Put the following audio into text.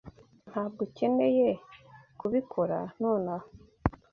Ntabwo ukeneye kubikora nonaha.